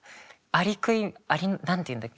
アリの何て言うんだっけ。